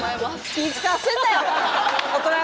気い遣わせんな。